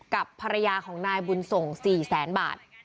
กับภรรยาของนายบุญสงฆ์๔๐๐๐๐๐บาท